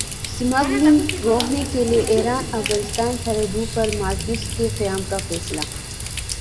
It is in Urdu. اسمگلنگ روکنے کیلئے ایران افغانستان سرحدوں پر مارکیٹس کے قیام کا فیصلہ